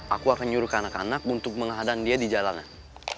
aku akan nyuruh kanak kanak untuk menghadang dia di jalanan